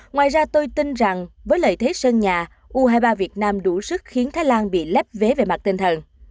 ngoài ra tôi tin rằng với lợi thế sân nhà u hai mươi ba việt nam đủ sức khiến thái lan bị lép vé về mặt tinh thần